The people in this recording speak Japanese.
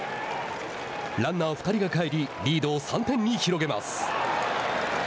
ランナー２人が帰りリードを３点に広げます。